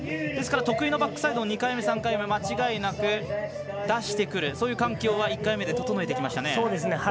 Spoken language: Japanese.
得意のバックサイドを２回目、３回目間違いなく出してくるそういう環境は１回目で整えてきましたね。